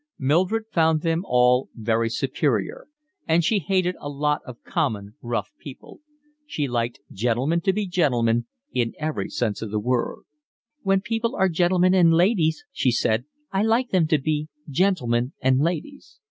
Mildred found them all very superior, and she hated a lot of common, rough people. She liked gentlemen to be gentlemen in every sense of the word. "When people are gentlemen and ladies," she said, "I like them to be gentlemen and ladies."